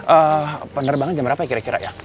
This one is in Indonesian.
eh penerbangan jam berapa kira kira ya